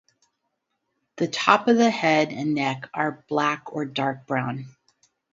The top of the head and neck are black or dark brown.